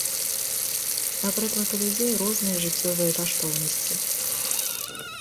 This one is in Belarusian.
Напрыклад, у людзей розныя жыццёвыя каштоўнасці.